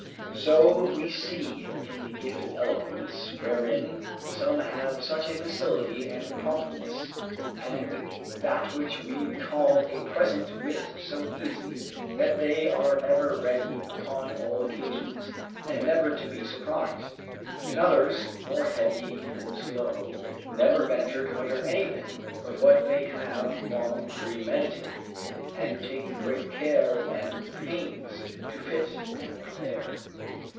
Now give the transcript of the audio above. ] So we see in the gift of eloquence, wherein some have such a facility and promptness, and that which we call a present wit so easy, that they are ever ready upon all occasions, and never to be surprised; and others more heavy and slow, never venture to utter anything but what they have long premeditated, and taken great care and pains to fit and prepare.